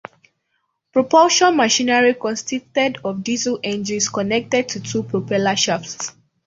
Propulsion machinery consisted of diesel engines, connected to two propeller shafts.